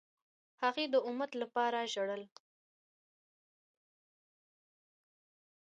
هغه د امت لپاره ژړل.